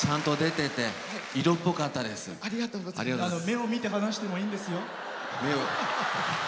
目を見て話もいいんですよ。